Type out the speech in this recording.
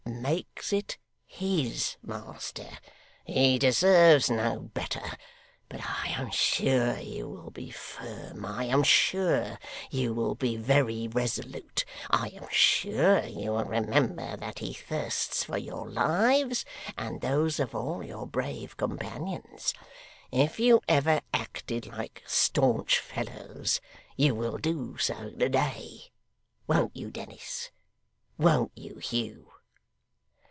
Make it his master; he deserves no better. But I am sure you will be firm, I am sure you will be very resolute, I am sure you will remember that he thirsts for your lives, and those of all your brave companions. If you ever acted like staunch fellows, you will do so to day. Won't you, Dennis won't you, Hugh?